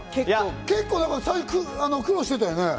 最初苦労してたよね？